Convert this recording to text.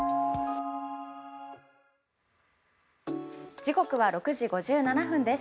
時刻は６時５７分です。